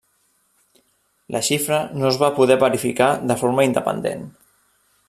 La xifra no es va poder verificar de forma independent.